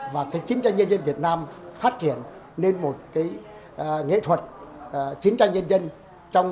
và cái chiến tranh nhân dân việt nam phát triển lên một cái nghệ thuật chiến tranh nhân dân